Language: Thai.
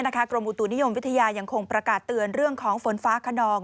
กรมอุตุนิยมวิทยายังคงประกาศเตือนเรื่องของฝนฟ้าขนอง